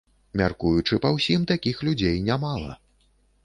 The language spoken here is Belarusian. Мяркуючы па ўсім, такіх людзей нямала.